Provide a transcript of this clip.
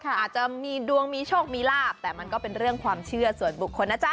อาจจะมีดวงมีโชคมีลาบแต่มันก็เป็นเรื่องความเชื่อส่วนบุคคลนะจ๊